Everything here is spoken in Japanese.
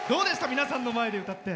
皆さんの前で歌って。